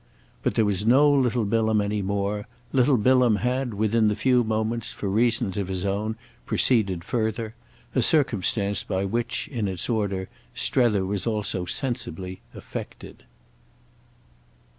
But there was no little Bilham any more; little Bilham had within the few moments, for reasons of his own, proceeded further: a circumstance by which, in its order, Strether was also sensibly affected.